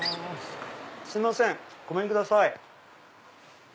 すいませんごめんください。